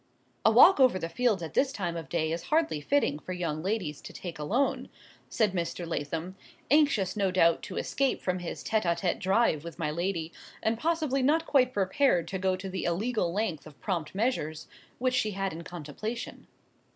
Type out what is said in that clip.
"A walk over the fields at this time of day is hardly fitting for young ladies to take alone," said Mr. Lathom, anxious no doubt to escape from his tete a tete drive with my lady, and possibly not quite prepared to go to the illegal length of prompt measures, which she had in contemplation.